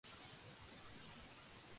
Ese mismo año publicó "Vida de un maestro".